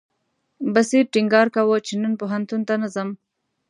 بصیر ټینګار کاوه چې نن پوهنتون ته نه ځم.